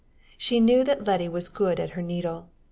She knew that Letty was good at her needle.